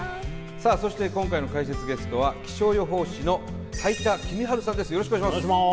さあそして今回の解説ゲストは気象予報士の斉田季実治さんです